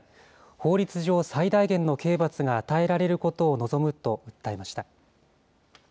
法律上、最大限の刑罰が与えられることを望むと訴えました。